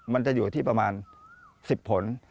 มันจะอยู่ที่ประมาณ๑๐ผล